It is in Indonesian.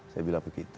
saya bilang begitu